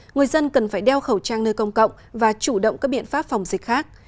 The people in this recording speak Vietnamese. người dân cần phải đeo khẩu trang nơi công cộng và chủ động các biện pháp phòng dịch khác